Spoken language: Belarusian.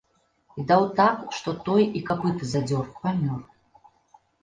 І даў так, што той і капыты задзёр, памёр.